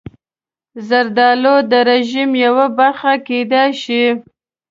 زردالو د رژیم یوه برخه کېدای شي.